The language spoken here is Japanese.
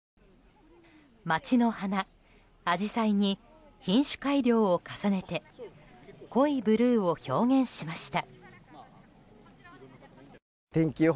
町の花、アジサイに品種改良を重ねて濃いブルーを表現しました。